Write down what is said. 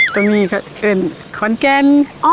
ตรงนี้เขาเอ่นขอนแก่น